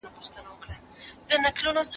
ماشوم په خپل ژړغوني غږ کې د مور مینه لټوله.